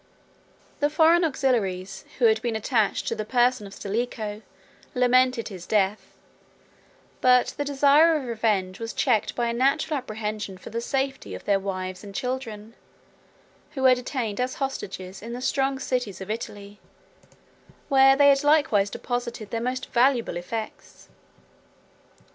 The foreign auxiliaries, who had been attached to the person of Stilicho, lamented his death; but the desire of revenge was checked by a natural apprehension for the safety of their wives and children; who were detained as hostages in the strong cities of Italy, where they had likewise deposited their most valuable effects.